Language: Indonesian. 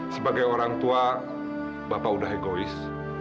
sebagai orang tua bapak udah egois